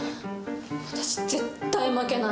私絶対負けない。